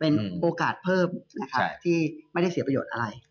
เป็นโปรการ์ดเพิ่มที่ไม่ได้เสียประโยชน์อะไร